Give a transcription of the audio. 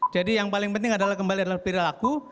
jadi yang paling penting adalah kembali adalah perilaku